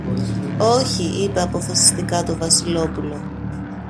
Όχι, είπε αποφασιστικά το Βασιλόπουλο